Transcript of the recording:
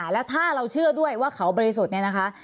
และถ้าเราเชื่อด้วยว่าขาวบริสุทธิ์นะคะ